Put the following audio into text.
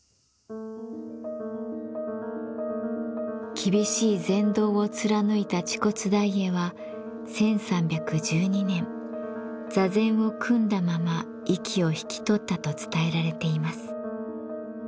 厳しい禅道を貫いた癡兀大慧は１３１２年座禅を組んだまま息を引き取ったと伝えられています。